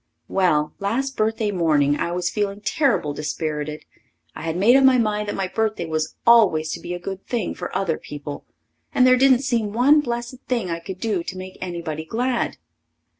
Well, last birthday morning I was feeling terrible disperrited. I had made up my mind that my birthday was always to be a good thing for other people, and there didn't seem one blessed thing I could do to make anybody glad.